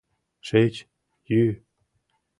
Шич, йӱ.